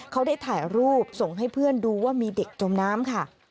เขาได้ถ่ายรูปส่งให้เพื่อนดูว่ามีเด็กจมน้ำค่ะ